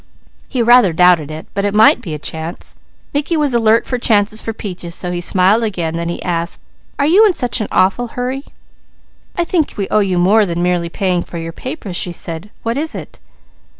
He rather doubted it, but it might be a chance. Mickey was alert for chances for Peaches, so he smiled again, then he asked: "Are you in such an awful hurry?" "I think we owe you more than merely paying for your papers," she said. "What is it?"